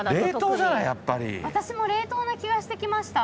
私も冷凍な気がしてきました。